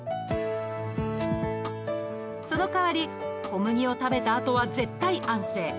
その代わり小麦を食べたあとは絶対安静。